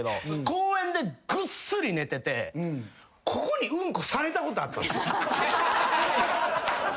公園でぐっすり寝ててここにされたことあったんすよ。